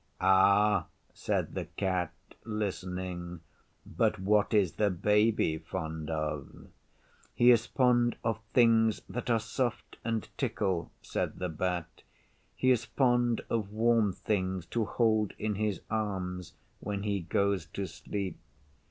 'Ah,' said the Cat, listening, 'but what is the Baby fond of?' 'He is fond of things that are soft and tickle,' said the Bat. 'He is fond of warm things to hold in his arms when he goes to sleep.